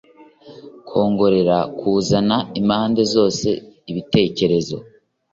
kugoreka kuzana impande zose ibitekerezo